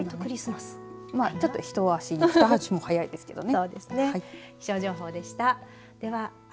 ちょっと一足も二足も早いですけどね。